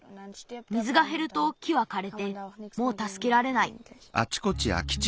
水がへると木はかれてもうたすけられない。